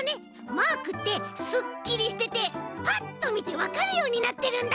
マークってすっきりしててパッとみてわかるようになってるんだ！